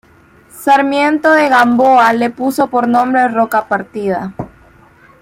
Sarmiento de Gamboa le puso por nombre Roca Partida.